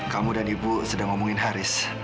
kamu dan ibu sedang ngomongin haris